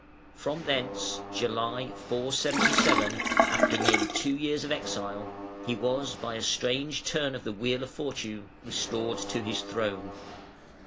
From thence,(July, 477) after nearly two years of exile, he was by a strange turn of the wheel of Fortune restored to his throne.